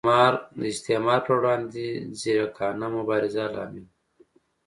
د استعمار پر وړاندې ځیرکانه مبارزه لامل و.